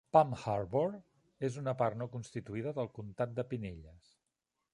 Palm Harbor és una part no constituïda del comtat de Pinellas.